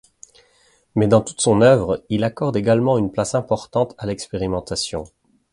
Mais dans toute son œuvre, il accorde également une place importante à l'expérimentation.